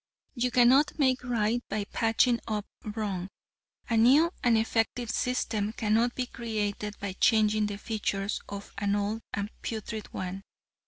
"You cannot make right by patching up wrong. A new and effective system cannot be created by changing the features of an old and putrid one.